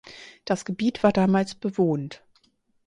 Das Gebiet war damals bewohnt.